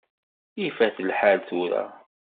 Ifat lḥal tura.